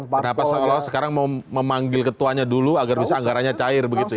kenapa seolah olah sekarang mau memanggil ketuanya dulu agar bisa anggaranya cair begitu ya